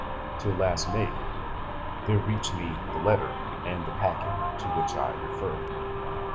Till, last May, there reached me the letter and the packet to which I refer.